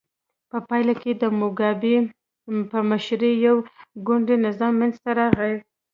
په پایله کې د موګابي په مشرۍ یو ګوندي نظام منځته راغی.